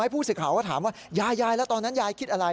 แล้วผู้สิทธิ์ข่าวก็ถามว่ายายแล้วตอนนั้นยายคิดอะไร